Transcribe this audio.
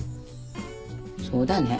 そうだね。